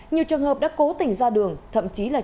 nhiều trường hợp đã cố tình ra đường thậm chí là